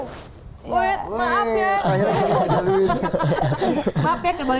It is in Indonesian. maaf ya kembali kenalan